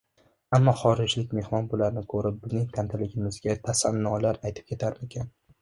Ammo xorijlik mehmon bularni ko‘rib bizning tantiligimizga tasannolar aytib ketarmikin?